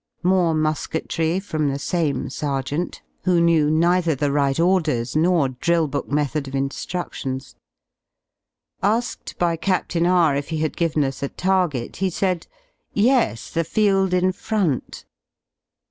More musketry from the same sereeant, who knew 18 neither the right orders nor drill book method of instruc tions. Asked by Captain R if he had given us a target, he said "Yes, the field in front!"